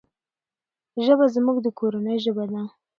ژبه زموږ د کورنی ژبه ده.